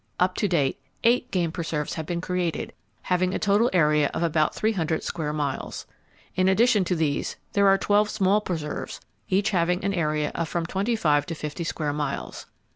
Up to date, eight game preserves have been created, having a total area of about thee hundred square miles. In addition to these, there are twelve small preserves, each having an area of from twenty five to fifty square miles.